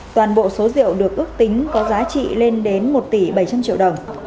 toàn bộ số rượu được ước tính có giá trị lên đến một tỷ bảy trăm linh triệu đồng